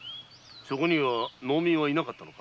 そこには農民は居なかったのか？